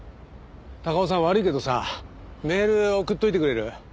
高尾さん悪いけどさメール送っておいてくれる？